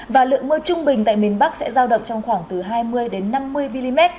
và lượng mưa trung bình tại miền bắc sẽ giao động trong khoảng từ hai mươi năm mươi mm